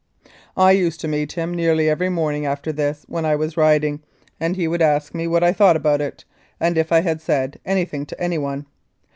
I used to meet him nearly every morning after this when I was riding, and he would ask me what I thought about it, and if I had said anything to anyone.